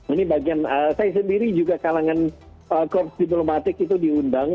ini bagian saya sendiri juga kalangan korps diplomatik itu diundang